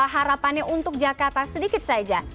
harapannya untuk jakarta sedikit saja